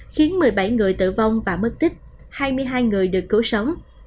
khiến một mươi bảy người tử vong và mất tích hai mươi hai người được cứu sống